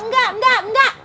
gak gak gak